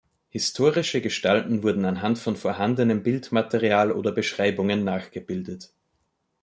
Historische Gestalten wurden anhand von vorhandenem Bildmaterial oder Beschreibungen nachgebildet.